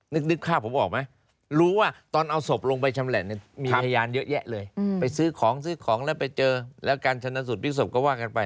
นึกภาพผมออกไหมรู้ว่าตอนเอาศพลงไปชำแหละมีพยานเยอะแยะเลยไปซื้อของซื้อของแล้วไปเจอแล้วการชนะสูตรพลิกศพก็ว่ากันไป